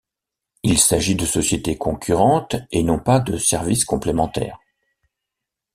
Il s'agit de sociétés concurrentes et non pas de services complémentaires.